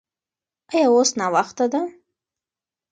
ایا اوس ناوخته ده؟